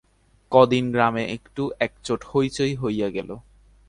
ক দিন গ্রামে খুব একচোট হৈচৈ হইয়া গেল।